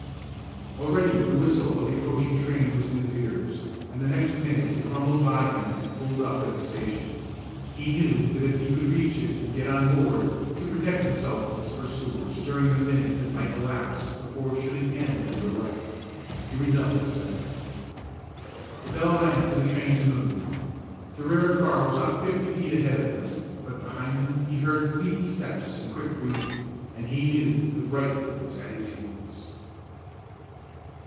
Already the whistle of the approaching train was in his ears, and the next minute it rumbled by him and pulled up at the station. He knew that if he could reach it and get on board, he could protect himself from his pursuers during the minute that might elapse before it should be again under way. He redoubled his efforts. The bell rang for the train to move. The rear car was not fifty feet ahead of him; but behind him he heard fleet steps and quick breathing, and he knew that Brightly was at his heels.